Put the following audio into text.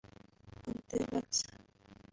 -- Anthrax